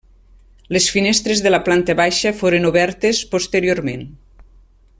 Les finestres de la planta baixa foren obertes posteriorment.